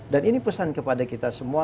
ini pesan kepada kita semua